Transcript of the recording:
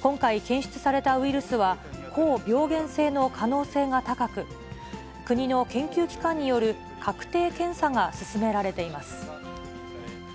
今回、検出されたウイルスは、高病原性の可能性が高く、国の研究機関による確定検査が進められています。